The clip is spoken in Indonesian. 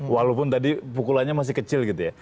walaupun tadi pukulannya masih kecil gitu ya